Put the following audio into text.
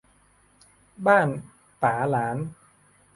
บ้านป๋าหลาน